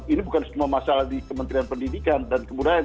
ini bukan cuma masalah di kementerian pendidikan dan kebudayaan